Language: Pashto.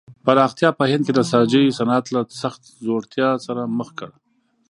پراختیا په هند کې د نساجۍ صنعت له سخت ځوړتیا سره مخ کړ.